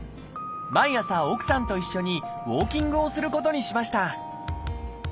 毎朝奥さんと一緒にウォーキングをすることにしました。